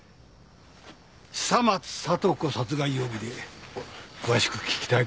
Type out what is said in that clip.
久松聡子殺害容疑で詳しく聴きたいことがある。